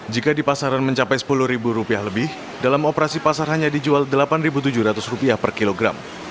jika di pasaran mencapai rp sepuluh lebih dalam operasi pasar hanya dijual rp delapan tujuh ratus per kilogram